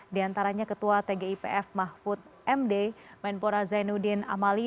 diantaranya ketua tgipf mahfud md menpora zainuddin amali